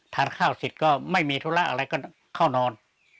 ทานข้าวเสร็จก็ไม่มีธุระอะไรก็เข้านอน